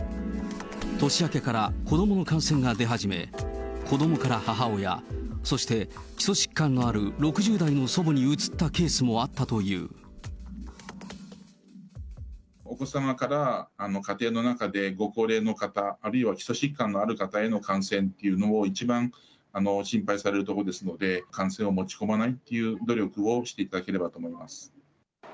年明けから子どもの感染が出始め、子どもから母親、そして基礎疾患のある６０代の祖母にうつったケースもあったといお子様から家庭の中でご高齢の方、あるいは基礎疾患のある方への感染というのを一番心配されるところですので、感染を持ち込まないという努力をしていただければと思います。